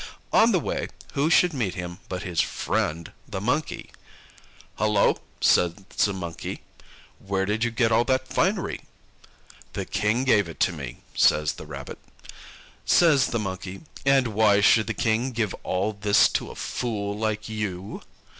On the way, who should meet him but his friend the Monkey. "Hullo!" says the Monkey, "where did you get all that finery?" "The King gave it to me," says the Rabbit. Says the Monkey, "And why should the King give all this to a fool like you?"